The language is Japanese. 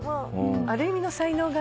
ある意味の才能が。